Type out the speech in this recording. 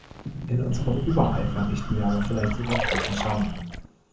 In unserem Übereifer richten wir aber vielleicht sogar großen Schaden an.